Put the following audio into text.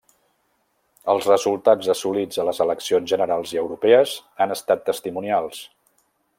Els resultats assolits a les eleccions generals i europees han estat testimonials.